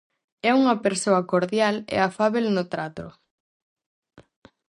É unha persoa cordial e afábel no trato.